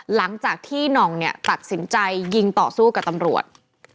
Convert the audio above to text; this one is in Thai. หลังจากที่หน่องเนี่ยตัดสินใจยิงต่อสู้กับตำรวจ